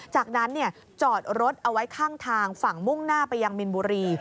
จากนั้นจอดรถเอาไว้ข้างทางฝั่งมุ่งหน้าไปยังมินบุรี